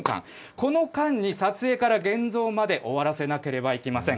この間に撮影から現像まで終わらせなければいけません。